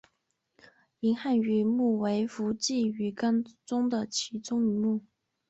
银汉鱼目为辐鳍鱼纲的其中一目。